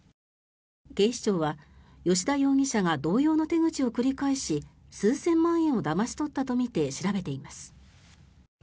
警視庁は吉田容疑者が同様の手口を繰り返し数千万円をだまし取ったとみて調べています。